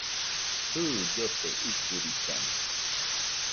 Jɨ, llote ikɨrikana